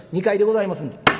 ２階でございますんで。